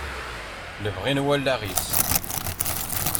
Lebɣi n wallaɣ-is.